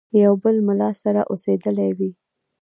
یو بل مُلا سره اوسېدلی وي.